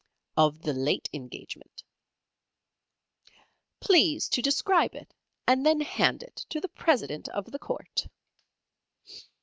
"Of the late engagement." "Please to describe it, and then hand it to the President of the Court."